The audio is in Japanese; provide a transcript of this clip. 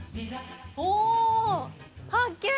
おぉ、発見！